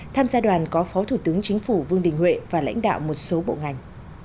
tham gia đoàn có phó thủ tướng chính phủ vương đình huệ và lãnh đạo một số bộ ngành